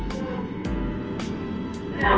สวัสดีครับ